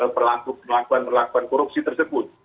perlakuan perlakuan korupsi tersebut